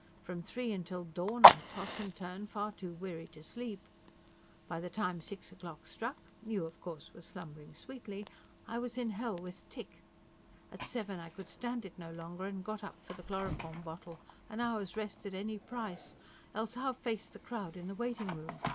From three till dawn I toss and turn, far too weary to sleep. By the time six o'clock struck you of course were slumbering sweetly I was in hell with tic. At seven I could stand it no longer and got up for the chloroform bottle: an hour's rest at any price else how face the crowd in the waiting room?